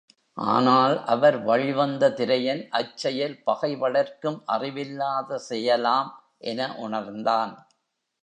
ஆனால், அவர் வழிவந்த திரையன், அச் செயல் பகை வளர்க்கும் அறிவில்லாத செயலாம் என உணர்ந்தான்.